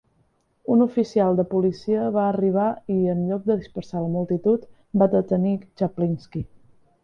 Un oficial de policia va arribar i, en lloc de dispersar la multitud, va detenir Chaplinsky.